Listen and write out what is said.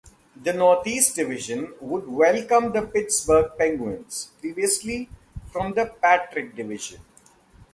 The Northeast Division would welcome the Pittsburgh Penguins, previously from the Patrick Division.